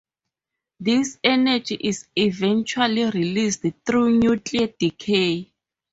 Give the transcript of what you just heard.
This energy is eventually released through nuclear decay.